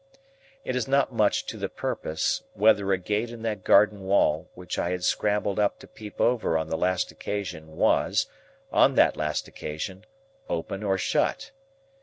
It is not much to the purpose whether a gate in that garden wall which I had scrambled up to peep over on the last occasion was, on that last occasion, open or shut.